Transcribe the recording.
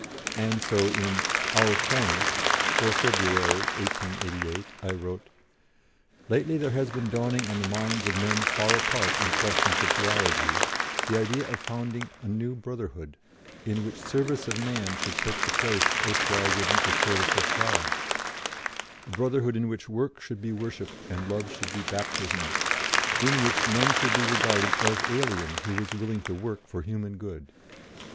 And so in Our Corner for February, 1888, I wrote: "Lately there has been dawning on the minds of men far apart in questions of theology, the idea of founding a new Brotherhood, in which service of Man should take the place erstwhile given to service of God a brotherhood in which work should be worship and love should be baptism, in which none should be regarded as alien who was willing to work for human good.